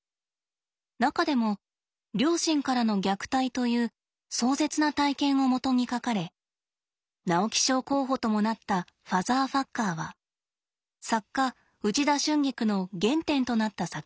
中でも両親からの虐待という壮絶な体験を基に書かれ直木賞候補ともなった「ファザーファッカー」は作家内田春菊の原点となった作品です。